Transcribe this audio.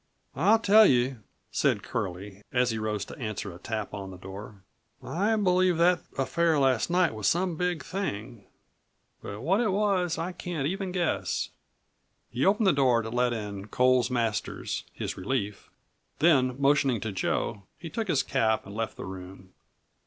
"I'll tell you," said Curlie, as he rose to answer a tap on the door, "I believe that affair last night was some big thing; but what it was I can't even guess." He opened the door to let in Coles Masters, his relief, then motioning to Joe he took his cap and left the room.